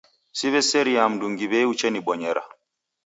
Siw'eseriaa mndungi w'ei uchenibonyera.